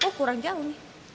lo kurang jauh nih